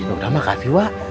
udah makasih wak